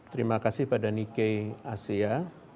terima kasih pada nike asia